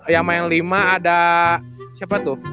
yang main lima ada siapa tuh